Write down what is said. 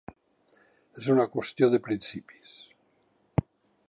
És una qüestió de principis.